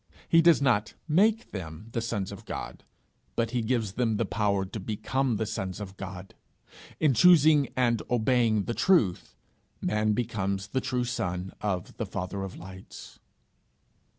He does not make them the sons of God, but he gives them power to become the sons of God: in choosing and obeying the truth, man becomes the true son of the Father of lights.